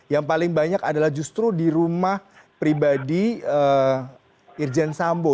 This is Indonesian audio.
yang paling banyak adalah justru di rumah pribadi irjen sambo